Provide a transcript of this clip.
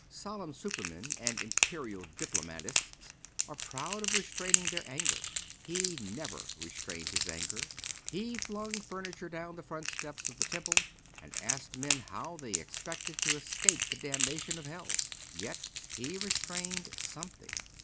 Solemn supermen and imperial diplo matists are proud of restraining their anger. He never restrained His anger. He flung furniture down the front steps of the Temple and asked men how they expected to escape the damnation of hell. Yet He restrained something.